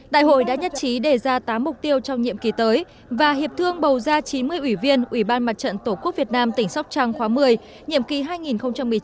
đại hội đã nhất trí đề ra tám mục tiêu trong nhiệm kỳ tới và hiệp thương bầu ra chín mươi ủy viên ủy ban mặt trận tổ quốc việt nam tỉnh sóc trăng khóa một mươi